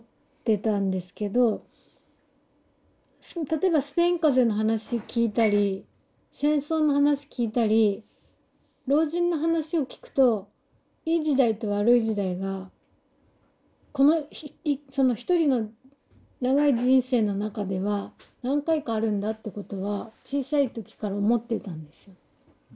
例えばスペイン風邪の話聞いたり戦争の話聞いたり老人の話を聞くといい時代と悪い時代がその一人の長い人生の中では何回かあるんだってことは小さい時から思っていたんです。